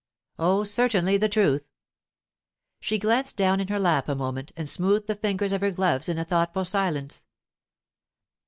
'Oh, certainly, the truth.' She glanced down in her lap a moment and smoothed the fingers of her gloves in a thoughtful silence.